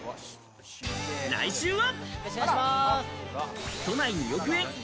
来週は。